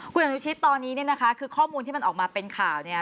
คุณอนุชิตตอนนี้เนี่ยนะคะคือข้อมูลที่มันออกมาเป็นข่าวเนี่ย